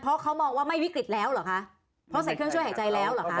เพราะเขามองว่าไม่วิกฤตแล้วเหรอคะเพราะใส่เครื่องช่วยหายใจแล้วเหรอคะ